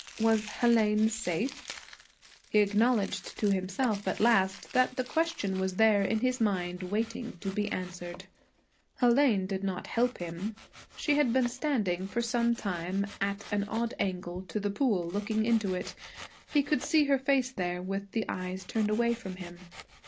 Was Hélène 'safe'? He acknowledged to himself at last that the question was there in his mind, waiting to be answered. Hélène did not help him. She had been standing for some time at an odd angle to the pool, looking into it. He could see her face there, with the eyes turned away from him.